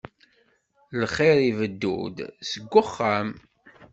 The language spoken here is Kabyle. Lxir ibeddu-d seg uxxam.